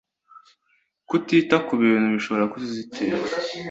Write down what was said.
kutita ku bintu bishobora kuziteza